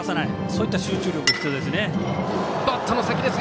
そういった集中力が必要です。